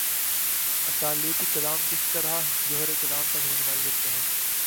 اسالیب کلام کس طرح جوہرکلام تک راہنمائی کرتے ہیں؟